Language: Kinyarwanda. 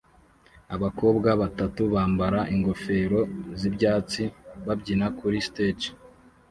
Abakobwa batatu bambara ingofero z'ibyatsi babyina kuri stage